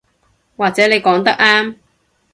或者你講得啱